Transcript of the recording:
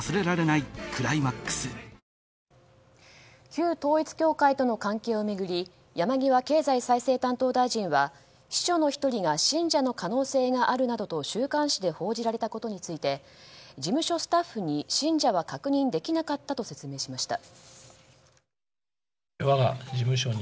旧統一教会との関係を巡り山際経済再生担当大臣は秘書の１人が信者の可能性があるなどと週刊誌で報じられたことについて事務所スタッフに信者は確認できなかったと説明しました。